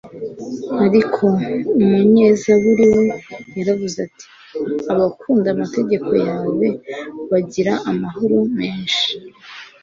Ariko umunyezaburi we yaravuze ati: “Abakunda amategeko yawe bagira amahoro menshi